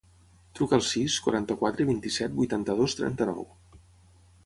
Truca al sis, quaranta-quatre, vint-i-set, vuitanta-dos, trenta-nou.